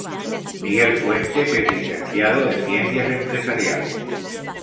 Miguel Fuentes es licenciado en Ciencias Empresariales.